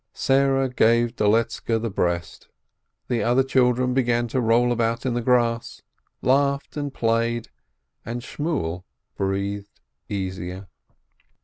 Sarah gave Doletzke the breast. The other children began to roll about in the grass, laughed and played, and Shmuel breathed easier.